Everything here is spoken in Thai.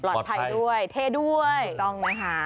ปลอดภัยด้วยเท่ด้วยถูกต้องนะคะ